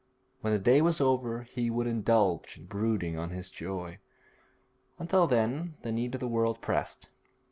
When the day was over he would indulge in brooding on his joy; until then the need of the world pressed.